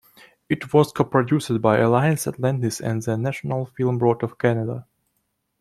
It was coproduced by Alliance Atlantis and the National Film Board of Canada.